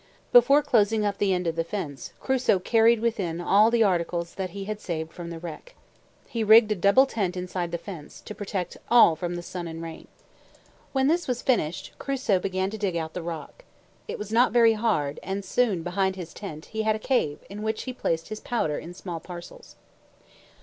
Before closing up the end of the fence, Crusoe carried within all the articles that he had saved from the wreck. He rigged a double tent inside the fence, to protect all from the sun and rain. When this was finished, Crusoe began to dig out the rock. It was not very hard, and soon, behind his tent, he had a cave in which he placed his powder, in small parcels.